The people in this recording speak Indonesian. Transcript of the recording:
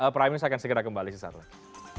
prime news akan segera kembali sesaat lagi